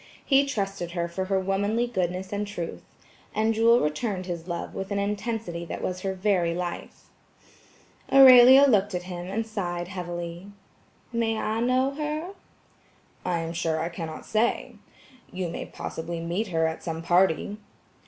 He trusted her for her womanly goodness and truth. And Jewel returned his love with an intensity that was her very life. Aurelia looked at him and sighed heavily. "May I know her?" "I am sure, I cannot say. You may possibly meet her at some party."